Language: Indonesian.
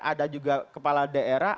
ada juga kepala daerah